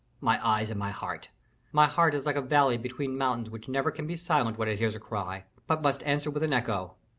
"My eyes and my heart. My heart is like a valley between mountains which never can be silent, when it hears a cry, but must answer with an echo."